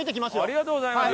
ありがとうございます。